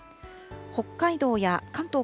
北海道や関東